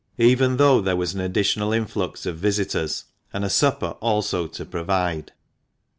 301 even though there was an additional influx of visitors, and a supper also to provide.